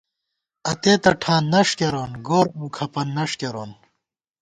اتے تہ ٹھان نݭ کېرون ، گور اؤ کھپَن نݭ کېرون